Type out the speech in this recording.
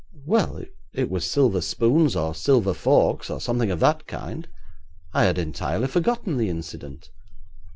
'Well, it was silver spoons or silver forks, or something of that kind. I had entirely forgotten the incident.